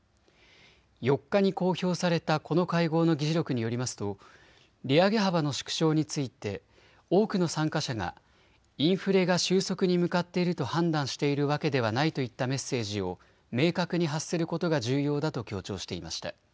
４日に公表されたこの会合の議事録によりますと利上げ幅の縮小について多くの参加者がインフレが収束に向かっていると判断しているわけではないといったメッセージを明確に発することが重要だと強調していました。